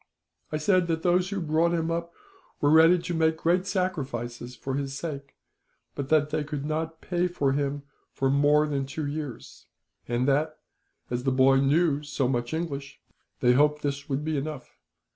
I said that those who brought him up were ready to make great sacrifices for his sake, but that they could not pay for him for more than two years; and that, as the boy knew so much English, they hoped this would be enough.